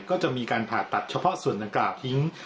ก็จะมีการผ่าตัดเฉพาะส่วนดังกล่าวทิ้ง